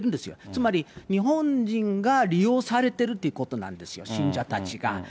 つまり日本人が利用されてるということなんですよ、信者たちが。